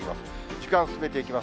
時間、進めていきます。